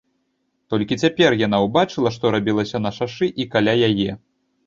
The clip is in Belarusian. Толькі цяпер яна ўбачыла, што рабілася на шашы і каля яе.